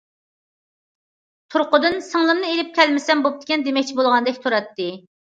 تۇرقىدىن« سىڭلىمنى ئېلىپ كەلمىسەم بوپتىكەن» دېمەكچى بولغاندەك تۇراتتى.